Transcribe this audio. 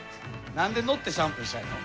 何で乗ってシャンプーしたいの？